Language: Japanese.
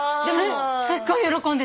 すごい喜んでた。